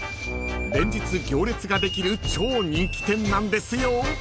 ［連日行列ができる超人気店なんですよ］